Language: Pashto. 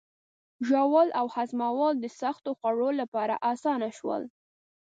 ژوول او هضمول د سختو خوړو لپاره آسانه شول.